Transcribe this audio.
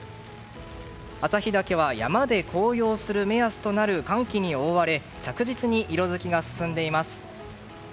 旭岳は山で紅葉する目安といわれる寒気に覆われ着実に色付きが進んでいます。